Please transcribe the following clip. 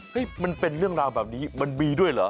มันเป็นเรื่องราวแบบนี้มันมีด้วยเหรอ